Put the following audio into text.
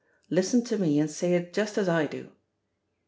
Listen to me and say it just as I do.